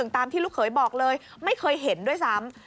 ตามที่ลูกเขยบอกเลยไม่เคยเห็นด้วยซ้ำ